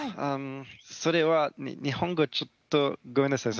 それは日本語ちょっとごめんなさい